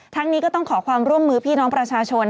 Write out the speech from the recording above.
นี้ก็ต้องขอความร่วมมือพี่น้องประชาชน